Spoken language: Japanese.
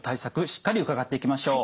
しっかり伺っていきましょう。